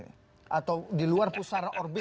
atau di luar pusara orbis